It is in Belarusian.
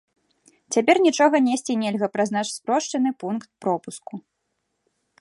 Цяпер нічога несці нельга праз наш спрошчаны пункт пропуску.